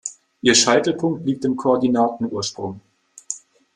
Ihr Scheitelpunkt liegt im Koordinatenursprung.